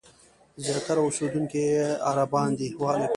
زیاتره اوسېدونکي یې عربان دي.